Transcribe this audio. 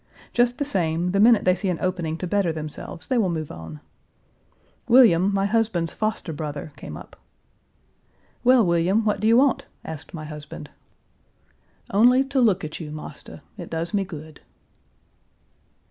Just the same, the minute they see an opening to better themselves they will move on. William, my husband's foster brother, came up. "Well, William, what do you want?" asked my Page 396 husband. "Only to look at you, marster; it does me good."